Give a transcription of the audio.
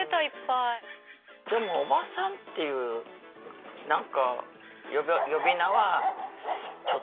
でも「おばさん」っていう何か呼び名はちょっと胸に痛い。